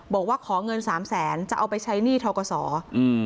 บอกว่าขอเงิน๓แสนจะเอาไปใช้ในทองกษอืม